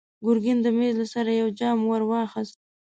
ګرګين د مېز له سره يو جام ور واخيست.